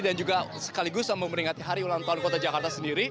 dan juga sekaligus sama memeringati hari ulang tahun kota jakarta sendiri